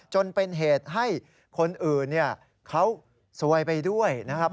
จนเป็นเหตุให้คนอื่นเขาซวยไปด้วยนะครับ